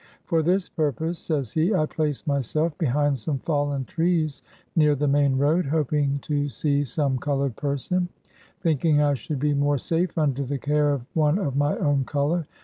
" For this purpose," says he, "I placed myself behind some fallen trees near the main road, hoping to see some colored person, 42 BIOGRAPHY OF thinking I should be more safe under the care of one of my own color.